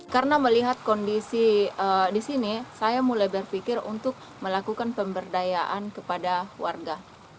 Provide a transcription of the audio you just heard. karena melihat kondisi di sini saya mulai berpikir untuk melakukan pemberdayaan kepada warga